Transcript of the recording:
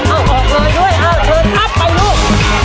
เอาออกเลยด้วยเออเชิญครับไปลูก